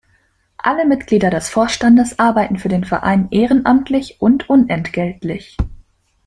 Alle Mitglieder des Vorstandes arbeiten für den Verein ehrenamtlich und unentgeltlich.